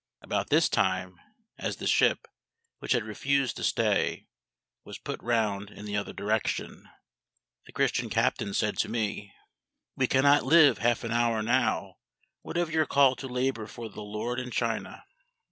About this time, as the ship, which had refused to stay, was put round in the other direction, the Christian captain said to me, "We cannot live half an hour now: what of your call to labour for the LORD in China?"